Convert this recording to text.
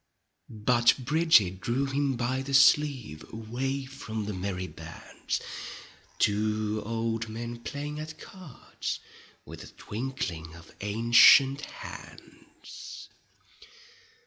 But Bridget drew him by the sleeve. Away from the merry bands. To old men playing at cards With a twinkling of ancient hands.